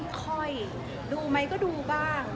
ค่อยดูไหมก็ดูบ้าง